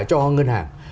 cho ngân hàng